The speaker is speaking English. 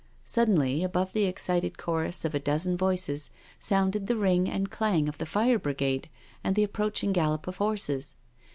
Suddenly, above the excited chorus of a dozen voices, sounded the ring and clang of the fire brigade, and the approaching gallop of horses.